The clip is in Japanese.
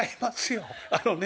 あのね